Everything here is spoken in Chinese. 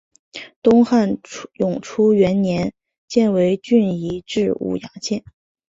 东汉永初元年犍为郡移治武阳县。